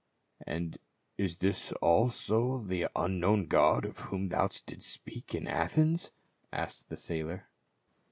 "And is this also the ' Unknown God ' of whom thou didst speak in Athens?" asked the sailor.